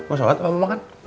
oh sholat apa mau makan